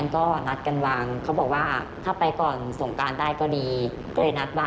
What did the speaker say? ค่ะก็วางเงินการที่๑๐เมษา